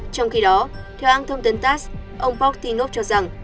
trong khi đó theo an thông tấn tass ông proktynov cho rằng